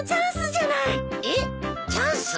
えっチャンス？